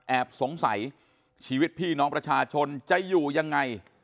สงสัยชีวิตพี่น้องประชาชนจะอยู่ยังไง